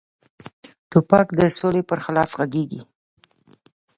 توپک د سولې پر خلاف غږیږي.